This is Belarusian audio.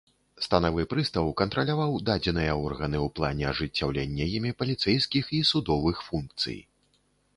Станавы прыстаў кантраляваў дадзеныя органы ў плане ажыццяўлення імі паліцэйскіх і судовых функцый.